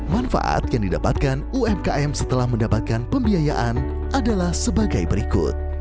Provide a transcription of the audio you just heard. manfaat yang didapatkan umkm setelah mendapatkan pembiayaan adalah sebagai berikut